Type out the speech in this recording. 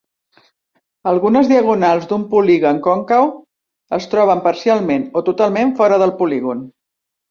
Algunes diagonals d'un polígon còncau es troben parcialment o totalment fora del polígon.